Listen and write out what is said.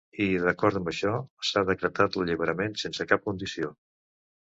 I, d’acord amb això, s’ha decretat l’alliberament sense cap condició.